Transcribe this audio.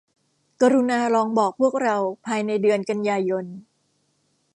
กรุณาลองบอกพวกเราภายในเดือนกันยายน